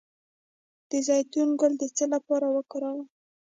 د زیتون ګل د څه لپاره وکاروم؟